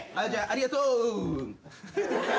ありがとう！